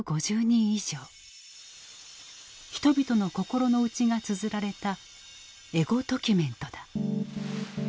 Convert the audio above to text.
人々の心の内がつづられたエゴドキュメントだ。